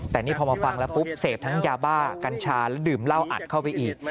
แต่นี่พอมาฟังแล้วปุ๊บเสพทั้งยาบ้ากัญชาและดื่มเหล้าอัดเข้าไปอีก